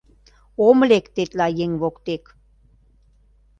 Ом лек тетла еҥ воктек.